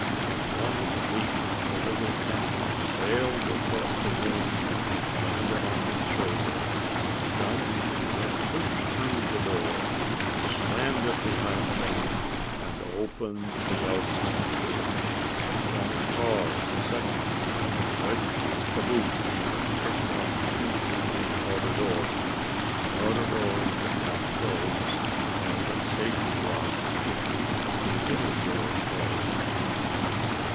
In one leap the little animal sailed across the room and landed on his shoulder. Johnny and Rick pushed through the door, slammed it behind them, and opened the outside door. Johnny paused a second and wedged the boot he had picked up into the outer door. The outside door could not close and the safety lock would keep the inner door closed.